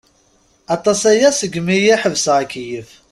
Aṭas aya segmi i ḥebseɣ akeyyef.